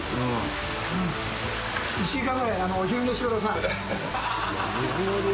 １時間ぐらいお昼寝してください。